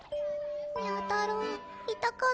にゃ太郎痛かった？